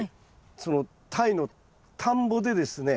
そのタイの田んぼでですね